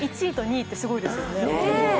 １位と２位ってすごいですよね。